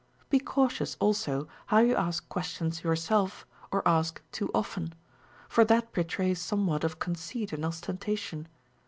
12. Be cautious also how you ask questions yourself, or ask too often ; for that betrays somewhat of conceit and ostentation.